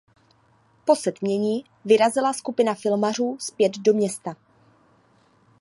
Po setmění vyrazila skupina filmařů zpět do města.